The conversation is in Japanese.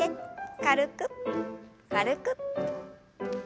軽く軽く。